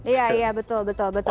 iya iya betul betul